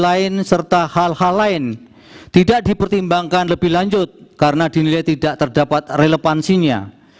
lain serta hal hal lain tidak dipertimbangkan lebih lanjut karena dinilai tidak terdapat relevansinya